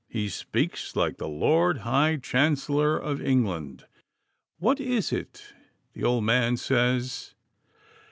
he speaks like the Lord High Chancellor of England! What is it the old man says?